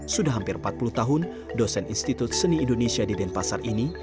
sudah hampir empat puluh tahun dosen institut seni indonesia di denpasar ini